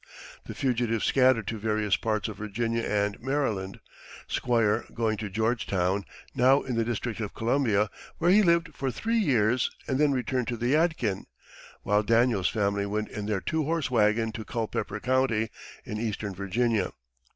The fugitives scattered to various parts of Virginia and Maryland Squire going to Georgetown, now in the District of Columbia, where he lived for three years and then returned to the Yadkin; while Daniel's family went in their two horse wagon to Culpeper County, in eastern Virginia.